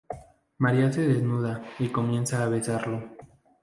María se desnuda y comienza a besarlo.